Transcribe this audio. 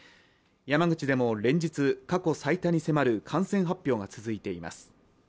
山口でも連日、過去最多に迫る感染発表が続いています。